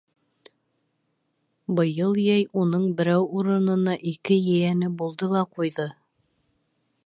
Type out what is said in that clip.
Быйыл йәй уның берәү урынына ике ейәне булды ла ҡуйҙы.